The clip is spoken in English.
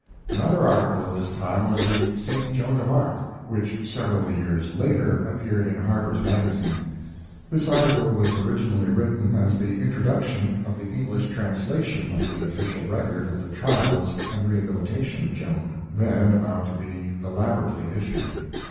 ] Another article of this time was the "St. Joan of Arc," which several years later appeared in Harper's Magazine. This article was originally written as the Introduction of the English translation of the official record of the trials and rehabilitation of Joan, then about to be elaborately issued.